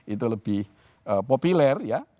itu lebih populer ya